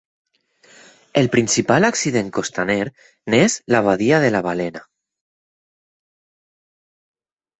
El principal accident costaner n'és la badia de la Balena.